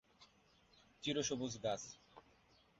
চিরসবুজ গাছ।